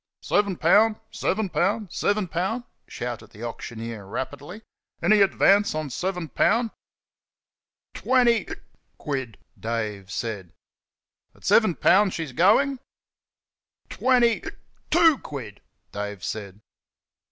"SEV'N POUN' SEV'N POUN' SEV'N POUN'," shouted the auctioneer, rapidly. "Any advance on sev'n POUN'?" "WENNY (hic) QUID," Dave said. "At sev'n poun' she's GOING?" "Twenny (hic) TWO quid," Dave said.